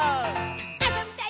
「あそびたい！